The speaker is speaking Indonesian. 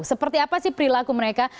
seperti apa sih perilaku mereka